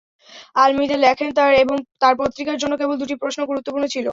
আলমিদা লেখেন তাঁর এবং তাঁর পত্রিকার জন্য কেবল দুটি প্রশ্ন গুরুত্বপূর্ণ ছিল।